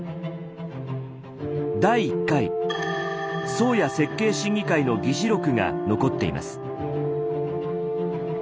「第１回宗谷設計審議会」の議事録が残っています。